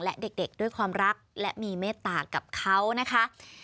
และเด็กด้วยความรักและมีเมตตากับเขานะคะ